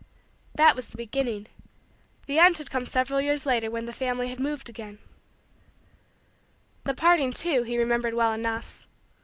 That was the beginning. The end had come several years later when the family had moved again. The parting, too, he remembered well enough.